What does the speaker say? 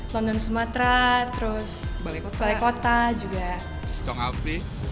london sumatera terus balai kota juga congapi